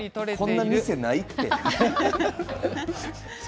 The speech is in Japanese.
こんなお店ないって。